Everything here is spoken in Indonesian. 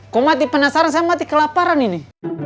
kok mati penasaran saya mati kelaparan ini